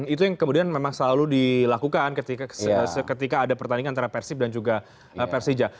itu yang kemudian memang selalu dilakukan ketika ada pertandingan antara persib dan juga persija